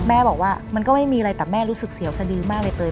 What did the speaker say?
บอกว่ามันก็ไม่มีอะไรแต่แม่รู้สึกเสียวสดือมากเลยเตย